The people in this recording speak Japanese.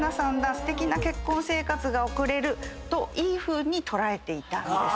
すてきな結婚生活が送れるといいふうに捉えていたんです。